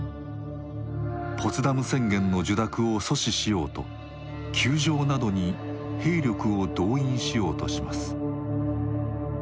ポツダム宣言の受諾を阻止しようと宮城などに兵力を動員しようとします。